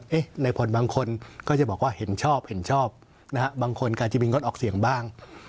ในพลทั้งหลายบางคนก็จะบอกว่าเห็นชอบบางคนก็จะมีงดออกเสี่ยงบ้าง